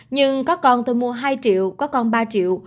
nhưng có con tôi mua hai triệu có con ba triệu